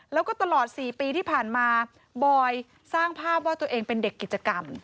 แล้วก็ตลอด๔ปีที่ผ่านมาบอยสร้างภาพว่าตัวเองเป็นเด็กกิจกรรม